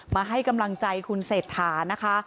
มาให้กำลังใจคุณเศรษฐานะคะ